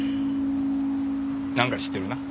なんか知ってるな？